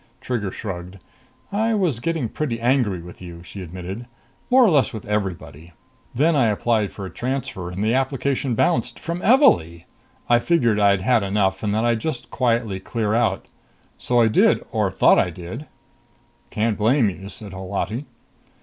Trigger shrugged. "I was getting pretty angry with you," she admitted. "More or less with everybody. Then I applied for a transfer, and the application bounced from Evalee! I figured I'd had enough and that I'd just quietly clear out. So I did or thought I did." "Can't blame you," said Holati.